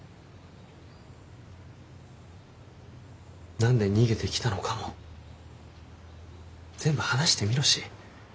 何で逃げてきたのかも全部話してみろし。